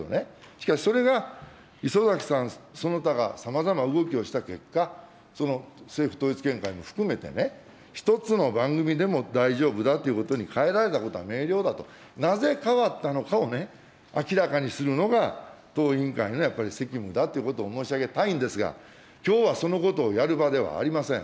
しかし、それが礒崎さんその他がさまざま動きをした結果、その政府統一見解も含めてね、１つの番組でも大丈夫だということに変えられたことは明瞭だと、なぜ変わったのかをね、明らかにするのが当委員会のやっぱり責務だということを申し上げたいんですが、きょうはそのことをやる場ではありません。